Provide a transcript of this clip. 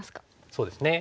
そうですね。